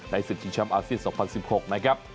ในซึ่งชีวิตชอบอาเซีย๒๐๑๖นะครับ